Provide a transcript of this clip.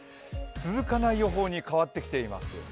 続かない予報に変わってきています。